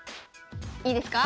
いいですか？